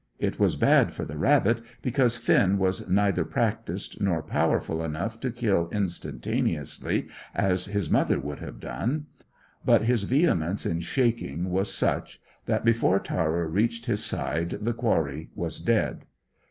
It was bad for the rabbit, because Finn was neither practised nor powerful enough to kill instantaneously as his mother would have done. But his vehemence in shaking was such that before Tara reached his side the quarry was dead.